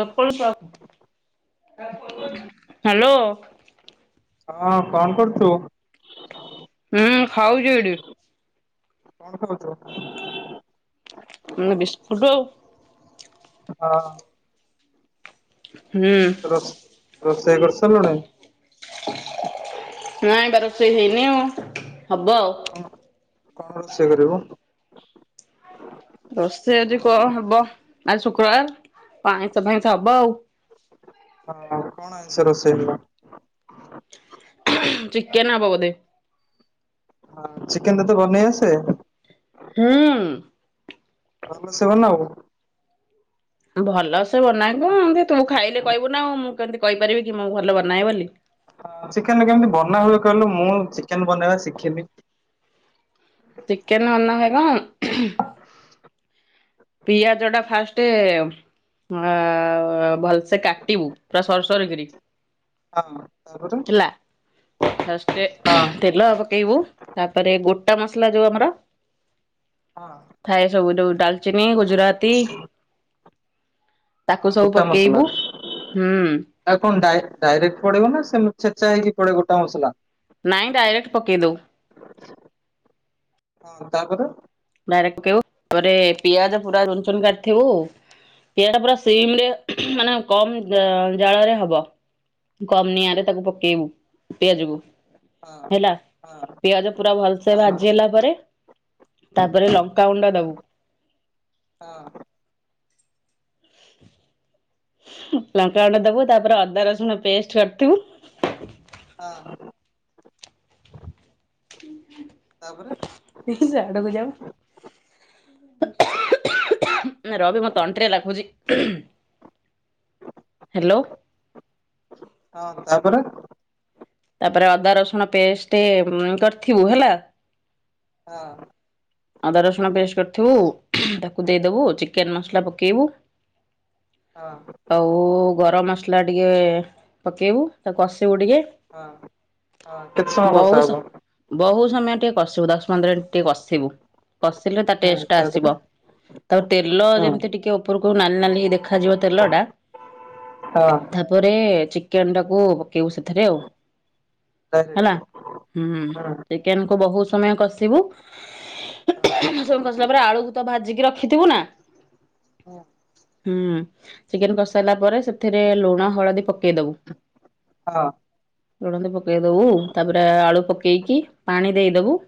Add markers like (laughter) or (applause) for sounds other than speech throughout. କ ହ୍ୟାଲୋ ହଁ କଣ କରୁଛୁ? ହୁଁ ଖାଉଛି ଏଇଠି। କଣ ଖାଉଛୁ? ମ ବିସ୍କୁଟ ଆଉ ହଁଆ ହୁଁ। ରୋଷେଇ କରିସାରିଲୁଣି? ନଁ ଏ ବା ରୋଷେଇ ହେଇନି ହବ ଆଉ। କଣ କଣ ରୋଷେଇ କରିବ? ରୋଷେଇ ଅଜି କଣ ହବ, ଆଜି ଶୁକ୍ରବାର ପାାଇଁସ ଫାଇଁସ ହବ ଆଉ। ହଁ କଣ ଆଇଷ ରୋଷେଇ ହବ? ଚିକେନ୍ ହବ ବୋଧେ। ଚିକେନ ତତେ ବନେଇ ଆସେ? ହଁ। ଭଲ ସେ ବନାଉ? ଭଲ ସେ ବନାଏ ନା, କ ତୁ ଖାଇଲେ କହିବୁ ନା ଆଉ ମୁଁ କେମିତି କହିପାରିବି କି ମୁଁ ଭଲ ବନାଏ ବୋଲି। ହ ଚିକେନ କେମିତି ବନା ହୁଏ କହିଲୁ, ମୁଁ ଚିକେନ ବନେଇବା ଶିଖିନି। ଚିକେନ ବନା ହେବ (inaudible) ପିଆଜ ଟା ଫାଷ୍ଟେ ଅଁ ଭଲସେ ସେ କାଟିବୁ ପୁରା ସରୁସରୁ କିରି। ହଁ ତାପରେ ଫାଷ୍ଟରେ ହଁ। ତେଲ ପକେଇବୁ, ତାପରେ ଗୋଟା ମସଲା ଯୋଉ ଆମର। ଥାଏ ସବୁ ଯୋଉ, ଡାଲଚିନି, ଗୁଜୁରାତି। ତାକୁ ହଁ ସବୁ ଗୋଟା ମସଲା ପକେଇବୁ ହୁଁ। ଆଉ କଣ ଡାଇ ଡାଇରେକ୍ଟ ପଡିବ ନା, ସେମିତି ଛେଚା ହେଇକି ପଡେ ଗୋଟା ମସଲା। ନାଇଁ ଡାଇରେକ୍ଟ ପକେଇଦଉ। ହଁ ତା ପରେ। ଡାଇରେକ୍ଟ ପକେଇବୁ ତାପରେ ପିଆଜ ପୁରା ରୁନଚୁନ୍ କାଟିଥିବୁ ପିଆଜ ପୁରା ସିମ୍ ରେ। ହଁ ମାନେ କମ ଜାଳରେ ହବ କମ୍ ନିଆଁରେ ତାକୁ ପକେଇବୁ ପିଆଜ କୁ। ହଁ। ହେଲା ହଁ ପିଆଜ ପୁରା ଭଲସେ ହଁ ଭାଜି ହେଲା ପରେ ତାପରେ ଲଙ୍କାଗୁଣ୍ଡ ଦବୁ। ହଁ। ଲଙ୍କା ଅଣ୍ଡା ଦବୁ, ତାପରେ ଅଦା ରସୁଣ ପେଷ୍ଟ ବାଟିଥିବୁ। ହଁ। (unintelligible) ତାପରେ ସାଡକୁ ଯାଅ ର ବେ ମ। (unintelligible) ତଣ୍ଟିରେ ଲାଖୁଛି ହ୍ୟାଲୋ। ହଁ ତାପରେ। ତାପରେ ଅଦା ରସୁଣ ପେଷ୍ଟ କରିଥିବୁ ହେଲା। ହଁ। ଅଦା ରସୁଣ ପେଷ୍ଟ୍ କରିଥିବୁ ତାକୁ ଦେଇଦେବୁ ଚିକେନ ମସଲା ପକେଇବୁ। ହଁ। ଆଉ ଗରମ ମସଲା ଟିକେ ପକେଇବୁ ତାକୁ କଷିବୁ ଟିକେ। ହଁ ହଁ କେତେ ସମୟ କଷା ହବ। ବହୁତ ସମୟ ଟିକେ କଷିବୁ ଦଶ ପନ୍ଦର ମିନିଟ୍ ଟିକେ କଷିବୁ କଷିଲେ ତା ହୁଁ ଟେଷ୍ଟ ଟା ତାପରେ ଆସିବ। ତାପରେ ତେଲ ହୁଁ ଯେମିତି ଟିକେ ଉପରକୁ ନାଲି ନାଲିି ହେଇ ଦେଖାଯିବ ତେଲ ଟା। ହଁ। ତାପରେ ଚିକେନ ଟାକୁ ପକେଇବୁ ସେଥିରେ ଆଉ। ତା (unintelligible) ହେଲା ହୁଁ ଚିକେନ କୁ ବହୁତ ସମୟ କଷିବୁ ସବୁ କଷିଲା ପରେ ଆଳୁକୁ ତ ଭାଜିକି ରଖିଥିବୁ ନା। ହଁ। ହୁଁ ଚିକେନ କଷିସାଇଲା ପରେ ସେ ସେଥିରେ ଲୁଣ ହଳଦି ପକେଇ ଦବୁ। ହଁ ଲୁଣ ହଳଦୀ ପକେଇଦବୁ ତାପରେ ଆଳୁ ପକେଇକି ପାଣି ଦେଇଦବୁ।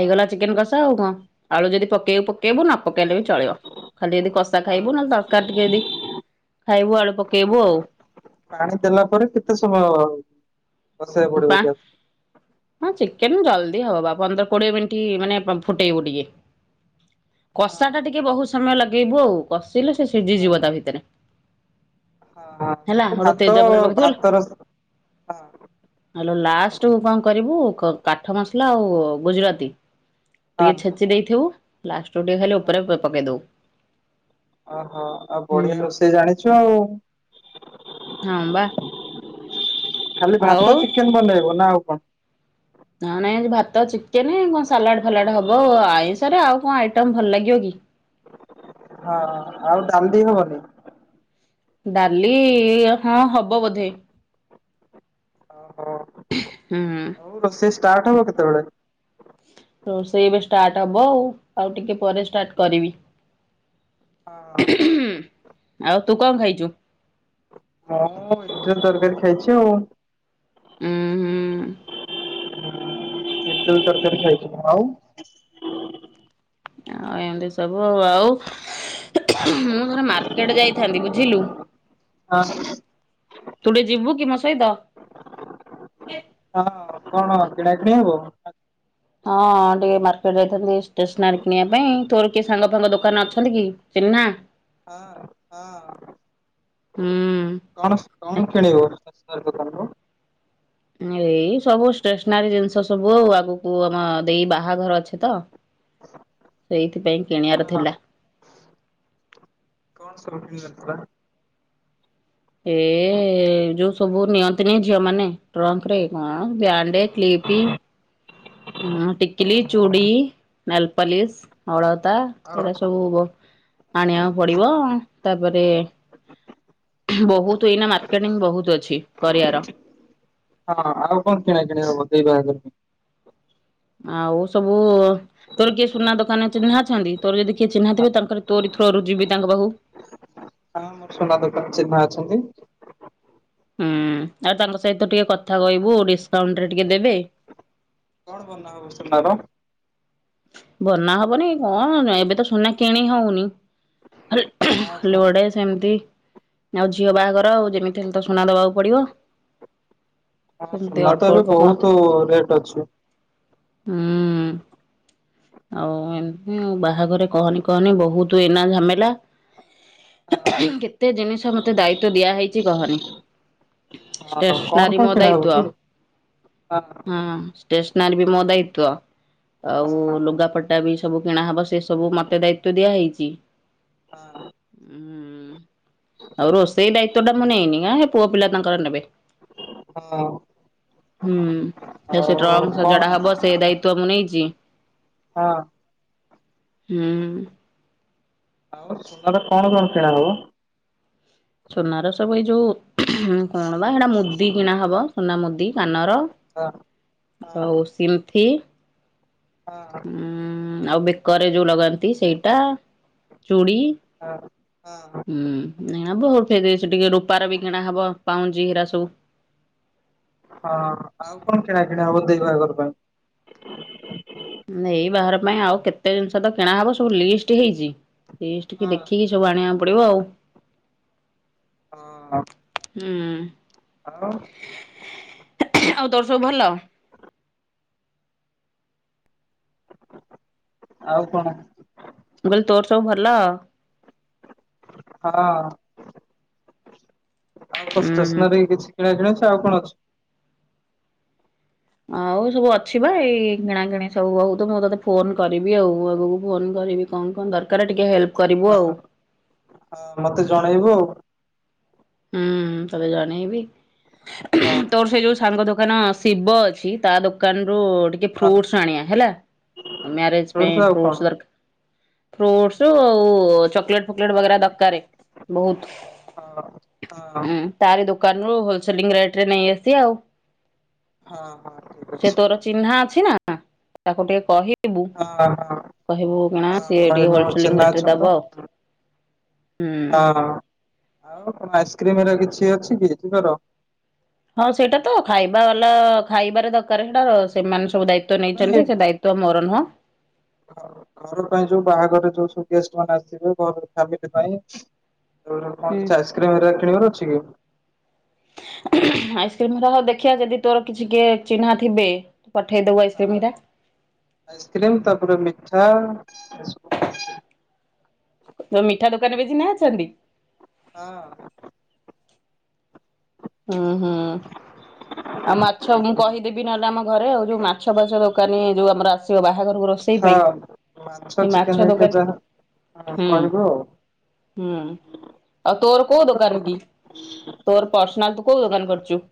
ହଁ ଚିକେନ କଷା ଆଉ କଣ ଆଳୁ ଯଦି ପକେଇବୁ ପକେଇବୁ ନ ପକେଇଲେ ବି ଚଳିବ ଖାଲି ଏମିତି କଷା ଖାଇବୁ ହଁ ନହେଲେ ତର। ତରକାରୀ ଟିକେ ଯଦି ଖାଇବୁ ଆଳୁ ପକେଇବୁ ଆଉ। ପାଣି ଦେଲା ପରେ କେତେ ସମୟ ବସେଇବାକୁ ପଡିବ ପା। ଗ୍ୟାସ ହଁ ଚିକେନ ଜଲଦି ହବ ବା ପନ୍ଦର କୋଡିଏ ମିନିଟ୍ ମାନେ ଫୁଟେଇବୁ ଟିକେ। ହଁ କଷା ଟା ଟିକେ ବହୁତ ସମୟ ଲଗେଇବୁ ଆଉ କଷିଲେ ସେ ସିଝିଯିବ ତା ଭିତରେ। ହେଲା ହଁ ହେଠୁ ଭାତ ତେଜପତ୍ର ପକେଇଥିବୁ ଭାତର ହଁ। ହଲୋ ଲାଷ୍ଟ୍ କୁ କଣ କରିବୁ କାଠ ମସଲା ଆଉ ଗୁଜୁରାତି ଟିକେ ଛେଚି ହଁ ଛେଚି ଦେଇିଥିବୁ ଲାଷ୍ଟ କୁ ଟିକେ ଖାଲି ଉପରେ ପକେଇ ଦବୁ। ଓହୋ ଆଉ ବଢିଆ ରୋଷେଇ ଜାଣିଛୁ ଆଉ। ହଁ ବା ଖାଲି ଆଉ ଭାତ ଚିକେନ ବନେଇବୁ ନା ଆଉ କଣ? ହ ନାଇଁ ଆଜି ଭାତ ଚିକେନ କଣ ସାଲାଡ଼ ଫାଲାଡ଼ ହବ ଆଇଁଷରେ ଆଉ କଣ ଆଇଟମ୍ ଭଲ ଲାଗିବ କି। ହଁ ଆଉ ଡାଲି ହବନି? ଡାଲି ହଁ ହବ ହବ ବୋଧେ। ଓହୋ। ହୁଁ ଉଁ। ହଉ ରୋଷେଇ ଷ୍ଟାର୍ଟ ହବ କେତେବେଳେ? ରୋଷେଇ ଏବେ ଷ୍ଟାଟ ହବ ଆଉ ଆଉ ଟିକେ ପରେ ଷ୍ଟାଟ କରିବି। ହଁ। ଆଉ ତୁ କଅଁ ଖାଇଚୁ? ହଁ ମିକ୍ତରତକାରୀ ଖାଇଛି ଆଉ। ଉୁଁ ହୁଁ। ଇଟିଲି ତରକାରୀ ଖାଇଚି ଆଉ ଆଉ ଏମିତି ସବୁ ଆଉ ମୁଁ ଥରେ ମାର୍କେଟ ଯାଇଥାନ୍ତି ବୁଝିଲୁ। ହଁ ତୁ ଟିକେ ଯିବୁ କି ମୋ ସହିତ? ହଁ କଣ କିଣା କିିଣି ହବ? ହଁ ଟିକେ ମାର୍କେଟ୍ ଯାଇଥାନ୍ତି ଷ୍ଟେସନାରୀ କିଣିବା ପାଇଁ ତୋର କିଏ ସାଙ୍ଗ ଫାଙ୍ଗ ଦୋକାନ ଅଛନ୍ତି କି? ଚିହ୍ନା? ହଁ -ହଁ। ହୁଁ। କଣ କଣ କିଣିବୁ ଷ୍ଟେସନାରୀ ଦୋକାନରୁ? ଏଇ ସବୁ ଷ୍ଟେସନାରୀ ଜିନିଷ ସବୁ ଆଉ ଆଗକୁ ଆମ ଦେଇ ବାହାଘର ଅଛି ତ। ସେଇଥିପାଇଁ କିଣିବାର ହଁ ଥିଲା। କଣ ସବୁ କିଣିବାର ଥିଲା? ଏ ଏଇ ଯଉ ସବୁ ନିଅନ୍ତିନି ଝିଅ ମାନେ ଟ୍ରଙ୍କ୍ ରେ କଣ ବ୍ୟାଣ୍ଡେ, କ୍ଲିପି, ଉଁ- ଟିକିଲି, ଓହୋ। ଚୁଡି, ନେଲପଲିସ୍, ଅଳତା ଆଉ ଏଇରା ସବୁ ଆଣିବାକୁ ପଡିବ ତାପରେ ବହୁତ୍ ଏଇନା ମାର୍କେଟିଂ ବହୁତ୍ ଅଛି କରିବାର। ହଁ ଆଉ କଣ କିଣା କିିଣି ହଵ ଦେଇ ବାହାଘରକୁ? ଆଉ ସବୁ ତୋର କିଏ ସୁନା ଦୋକାନରେ ଚିହ୍ନା ଅଛନ୍ତି ତୋର ଯଦି କିଏ ଚିହ୍ନାଥିବେ ତାଙ୍କର ତୋରି ଥ୍ରୋ ରୁ ଯିବି ତାଙ୍କ ପାଖକୁ। ହଁ ମୋର ସୁନା ଦୋକାନ ଚିହ୍ନା ଅଛନ୍ତି। ହୁଁ ଆଉ ତାଙ୍କ ସହିତ ଟିକେ କଥା କହିବୁ ଡିସକାଉଣ୍ଟ୍ ରେ ଟିକେ ଦେବେ। କଣ ବନା ହବ ସୁନାର? ବନା ହବନି କଣ ଏବେ ତ ସୁନା କିଣି ହଉନି ଖାଲି ହଁ ସୁ ଗୋଟେ ସେମିତି ଆଉ ଝିଅ ବାହାଘର ଆଉ ଯେମିତି ହେଲେ ତ ସୁନା ଦବାକୁ ପଡିବ। ହଁ ସେମିତି ସୁନା ଅଳ୍ପ ତ ଏବେ ଅଳ୍ପ କଣ ବହୁତୁ ରେଟ୍ ଅଛି। ହୁଁ। ଆଉ ଏମିତି ବାହାଘରରେ କହନି କହନି ବହୁତୁ ଏଇନା ଝାମେଲା। ହଁ କେତେ ଜିନିଷ ମତେ ଦାୟିତ୍ଵ ଦିଆହେଇଚି କହନି। ହଁ କଣ ଟେସ୍ନାରି କଣ ମୋ କିଣା ହବ କି? ଦାୟିତ୍ୱ ହଁ ଷ୍ଟେସନାରୀ ବି ମୋ ଦାୟିତ୍ୱ। ଓ ହଁ ଲୁଗାପଟା ବି ସବୁ କିଣାହବ ସେ ସବୁ ମତେ ଦାୟିତ୍ୱ ଦିଆ ହେଇଚି। ହଁ। ଉଁ-ଆଉ ରୋଷେଇ ଦାୟିତ୍ଵ ଟା ମୁଁ ନେଇନି ଆ- ହେ ସେ ପୁଅ ପିଲା ତାଙ୍କର ନେବେ। ହଁ। ହୁଁ ସେ ଆଉ ଟ୍ରଙ୍କ୍ କଣ ସଜଡା ହବ ସେ ଦାୟି ତ୍ବ ମୁଁ ନେଇଚି। ହଁ ହୁଁ। ଆଉ ସୁନାର କଣ କଣ କିଣା ହବ? ସୁନାର ସବୁ ଏଇ ଯଉ କଣ ବା ସେଇଟା ମୁଦି କିଣା ହବ ସୁନା ମୁଦି କାନର ହଁ ହଁ ଆଉ ସିନ୍ଥି ହଁ। ହୁଁ ଆଉ ବେକରେ ଯଉ ଲଗାନ୍ତି ବି ସେଇଟା ଚୁଡ଼ି ହଁ ହୁଁ (unintelligible) ଟିକେ ରୂପାର ବି କିଣା ହବ ପାଉଁଜି ହେରା ସବୁ। ହଁ ଆଉ କଣ କିଣା କିିଣି ହବ ଦେଇ ବାହାଘର ପାଇଁ? ଉଁ ଏଇ ବାହାର ପାଇଁ ଆଉ କେତେ ଜିନିଷ ତ କିଣା ହବ ସବୁ ଲିଷ୍ଟି ହେଇଛି ଲିଷ୍ଟି କି ହଁ ଦେଖିକି ସବୁ ଆଣିବାକୁ ପଡିବ ଆଉ। ହଁ। ହୁଁ। ଆଉ? ଆଉ ତୋର ସବୁ ଭଲ? ଆଉ କଣ? ମୁଁ କହିଲି ତୋର ସବୁ ଭଲ? ହଁ ଆଉ ଉଁ ହୁଁ। ଷ୍ଟେସନାରୀ କିଛି କିଣା କିିଣି ଅଛି ଆଉ କଣ ଅଛି? ଆଉ ସବୁ ଅଛି ବା ଏଇ କିଣା କିିଣି ସବୁ ବହୁତ ମୁଁ ତତେ ଫୋନ୍ କରିବି ଆଉ ଆଗକୁ ଫୋନ୍ କରିବି କଣ କଣ ଦରକାର ଟିକେ ହେଲ୍ପ କରିବୁ ହଁ ଆଉ ହଁ ମତେ ଜଣେଇବୁ ଆଉ? ହୁଁ ତତେ ଜଣେଇବି ଆଉ ତୋର ସେଇ ଯଉ ସାଙ୍ଗ ଦୋକାନ ଶିବ ଅଛି ତା ଦୋକାନରୁୁ ଟି ଟି ହଁ ହଁ ଫ୍ରୁଟସ ଆଣିଆ ହେଲା ମ୍ୟାରେଜ ସେଇଠୁ ପାଇଁ ଆଉ କଣ? ଫ୍ରୁଟସ ଦରକା ଫ୍ରୁଟସ ଆଉ ଚକୋଲେଟ ଫକଲେଟ ବଗେରା ଦରକାରେ ବହୁତ। ହଁ। ହଁ ହୁଁ ତାରି ଦୋକାନରୁୁ ହୋଲସେଲିଂ ରେଟ୍ ରେ ନେଇ ଆସିବା ଆଉ। ହଁ ହଁ ଠିକ୍ ସେ ଅଛି। ତୋର ଚିହ୍ନା ଅଛି ନା ତାକୁ ଟିକେ କହି ବୁ ହଁ ହଁ କହିବୁ କଣ ହଁ ସିଏ ଟିକେ କହିବି ମୋର ହୋଲସେଲିଂ ଚିହ୍ନା ରେଟ୍ ଅଛି ରେ ମୋର ଦବ? ହୁଁ ହଁ ଆଉ କଣ ଆଇସିକ୍ରିମ୍ ରେ କିଛି ଅଛି କି ଯିବାର? ହଁ ସେଇଟା ତ ଖାଇବା ବାଲା ଖାଇବାରେ ଦରକାରେ ହେଇଟା ସେମାନେ ସବୁ ଦାୟି ତ୍ବ ନାଇଁ ନେଇଛନ୍ତି ସେ ଦାୟିତ୍ୱ ମୋର ନୁହଁ। (unintelligible) ଘରୁ ପାଇଁ ଯୋଉ ବାହାଘରେ ଯୋଉ ସବୁ ଗେଷ୍ଟ ମାନେ ଆସିବେ ବର ଫ୍ୟାମିଲି ପାଇଁ? ତୋର କଣ ହୁଁ କିଛି ଆଇସ୍କ୍ରିମ ରେ କିଣିବାର ଅଛି କି? ଆଇସ୍କ୍ରିମ ରହ ଦେଖିବା ଯଦି ତୋର କିଛି କିଏ ଚିହ୍ନା ଥିବେ ପଠେଇଦବୁ ଆଇସ୍କ୍ରିମ ଟା। ଆଇସ୍କ୍ରିମ ତାପରେ ମିଠା ଏସବୁ। ତୋ ମିଠା ଦୋକାନ ବି ଚିହ୍ନା ଅଛନ୍ତି? ହଁ। ଉଁ ହୁଁ। (inaudible) ଆଉ ମାଛ ମୁଁ କହିଦେବି ନହେଲେ ଆମ ଘରେ ଆଉ ଯୋଉ ମାଛ ପା ଛ ଦୋକାନୀ ଯୋଉ ଆମର ଆସିବ ବାହାଘରକୁ ରସ ହଁ ମାଛ ଚିକେନ ହେଇକି ଦୋକାନୀ ଯାହା ହଁ ହୁଁ କହିବୁ ଆଉ? ହୁଁ ଆଉ ତୋର କଉ ଦୋକନ କି? (inaudible) ତୋର ପସନାଲ୍ ତୁ କୋଉ ଦୋକାନ କରିଛୁ?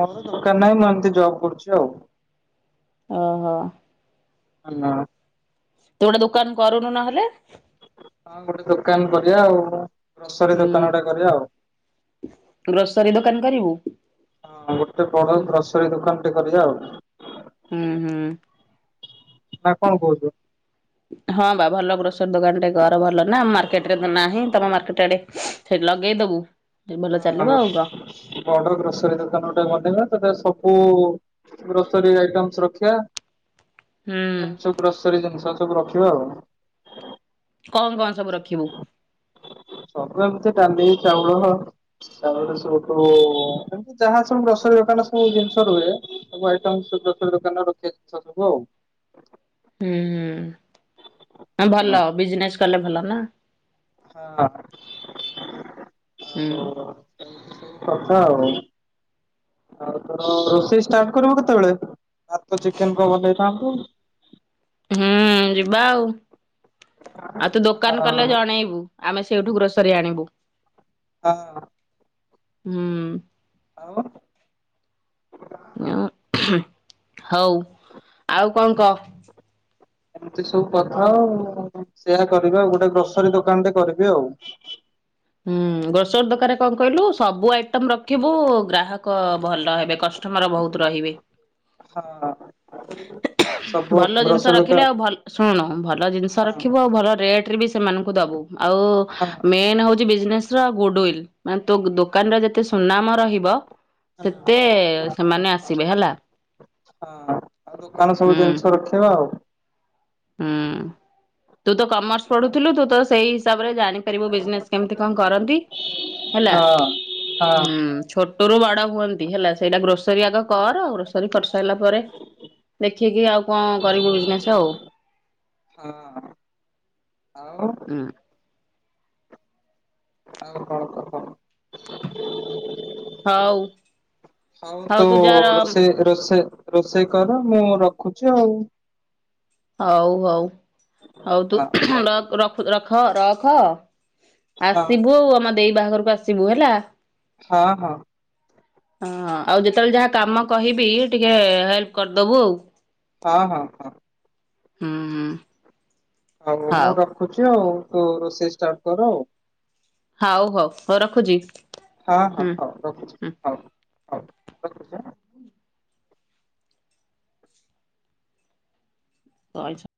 ମୋର ଦୋକାନ ନାହିଁ ମୁଁ ଏମିତି ଜବ୍ କରୁଛି ଆଉ। ଓହୋ। ଆ ନା ତୁ ଗୋଟେ ଦୋକାନ କରୁନୁ ନହେଲେ? ହଁ ଗୋଟେ ଦୋକାନ କରିବା ଆଉ ଗ୍ରୋସରୀ ହୁଁ ଦୋକାନ ଗୋଟେ କରିବା ଆଉ। ଗ୍ରୋସରୀ ଦୋକାନ କରିବୁ ହଁ ଗୋଟେ ବଡ ହୁଁ ଗ୍ରୋସରୀ ଦୋକାନ ଟେ କରିବା ଆଉ। ହୁଁ ହୁଁ। ନା କଣ କହୁଛୁ? ହଁ ବା ଭଲ ଗ୍ରୋସରୀ ଦୋକାନ ଟେ କର ଭଲନା ମାର୍କେଟରେ ତ ନାହିଁ ତମ ମାର୍କେଟ ଆଡେ ହେଠି ଲଗେଇଦବୁ। ଭଲ ଚାଲିବ ଆଉ କଣ ହଁ ବଡ ଗ୍ରୋସରୀ ଦୋକାନ ଗୋଟେ ବନେଇବା, ସେଥିରେ ସବୁ ଗ୍ରୋସରୀ ଆଇଟମ୍ସ ରଖିଆ। ହୁଁ ଜିନିଷ ଗ୍ରୋସରୀ ଜିନିଷ ସବୁ ରଖିବା ଆଉ। କଣ କଣ ସବୁ ରଖିବୁ? ସବୁ ଏମତି ଡାଲି ଚାଉଳ ତାପରେ ସେଇଠୁ ଏମତି ଯାହା ସବୁ ଗ୍ରୋସରୀ ଦୋକାନ ସବୁ ଜିନିଷ ରୁହେ ସବୁ ଆଇଟମସ୍ ଗ୍ରୋସରୀ ଦୋକାନ ରଖିଆ ଜିନିଷ ସବୁ ଆଉ। ହୁଁ ହଁ ଭଲ ବିଜନେସ କଲେ ଭଲ ନା। ହଁ ଆଉ ହୁଁ। ଏମିତି ସବୁ କଥା ଆଉ। ଆଉ ତୋ ରୋଷେଇ ଷ୍ଟାର୍ଟ କରିବୁ କେତେବେଳେ, ଭାତ ଚିକେନ ବା ବନେଇଥାନ୍ତୁ। ହୁଁ ଯିବା ଆଉ। ଆଉ ତୁ ହଁ ଦୋକାନ କଲେ ଜଣେଇବୁ। ଆମେ ସେଉଠୁ ଗ୍ରୋସରୀ ଆଣିବୁ। ହଁ। ହୁଁ। ଆଉ ଅଁ ଅହ, ହଉ ଆଉ କଣ କହ? ଏମିତି ସବୁ କଥା ଆଉ। ସେୟା କରିବି ଆଉ ଗୋଟେ ଗ୍ରୋସରୀ ଦୋକାନ ଟେ କରିବି ଆଉ। ହୁଁ ଗ୍ରୋସରୀ ଦୋକାନରେ କଣ କହିଲୁ ସବୁ ଆଇଟମ୍ ରଖିବୁ ଗ୍ରାହକ କ ଭଲ ହେବେ କଷ୍ଟମର ବହୁତ ରହିବେ। ହଁ। ସବୁ ଭଲ ଜିନିଷ ଗ୍ରୋସରୀ ରଖିଲେ ଦୋକାନ ଆଉ ଭଲ ଶୁଣୁ ଭଲ ଜିନିଷ ହଁ ରଖିବୁ ଆଉ ଭଲ ରେଟରେ ବି ସେମାନଙ୍କୁ ଦବୁ। ଆଉ ହଁ ମେନ୍ ହଉ ଚି ବିଜ୍ନେସ୍ର ଗୁଡ୍ ୱିଲ୍। ମାନେ ତୋ ଦୋକାନ ର ଯେ ତେ ସୁନାମ ରହିବ ହଁ ସେତେ ହଁ। ସେମାନେ ଆସିବେ ହେଲା। ହଁ ଆଉ ଦୋକାନ ସବୁ ହୁଁ ଜିନିଷ ରଖେଇବା ଆଉ। ହୁଁ। ତୁ ତ କମର୍ସ ପଢୁଥିଲୁ ତୁ ତ ସେଇ ହିସାବରେ ଜାଣି ପାରିବୁ ବିଜ୍ନେସ୍ କେମିତି କଣ କରନ୍ତି, ହେଲା ହଁ ହଁ ହୁଁ ଛୋଟରୁ ବଡ ହୁଅନ୍ତି ହେଲା। ସେଇଟା ଗ୍ରୋସ୍ ରୀ ଆଗ କର। ଗ୍ରୋସରୀ କରିସାରିଲା ପରେ ଦେଖିକି ଆଉ କଣ କରିବୁ ବିଜନେସ ଆଉ। ହଁ ଆଉ। ହୁଁ। ଆଉ କଣ କହ? ହଉ ହଉ ତୁ ରୋଷେଇ ରୋଷେ ରୋଷେଇ କର ମୁଁ ରଖୁଚି ଆଉ। ହଉ ହଉ। ହଉ ତୁ ହଁ ର ରଖ ରଖ ରଖ। ହଉ ଆସିବୁ ଆମ ଦେଇ ବାହାଘରକୁ ଆସିବୁ ହେଲା। ହଁ- ହଁ। ହଁ ଆଉ ଯେତେବେଳେ ଯାହା କାମ କହିବି ଟିକେ ହେଲ୍ପ କରିଦବୁ ଆଉ। ହଁ- ହଁ -ହଁ। ଉଁ- ଉଁ। ଆଉ ମୁଁ ରଖୁଛି ଆଉ ତୁ ରୋଷେଇ ଷ୍ଟାର୍ଟ କର ଆଉ। ହଉ ହଉ ହଉ ରଖୁଚି। ହଁ ହଁ ହଉ ରଖୁଛି ହଉ ହଉ ରଖୁଚି ଆଁ। ତୋ ଇଛା।